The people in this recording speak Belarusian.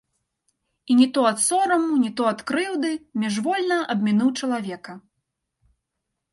І не то ад сораму, не то ад крыўды міжвольна абмінуў чалавека.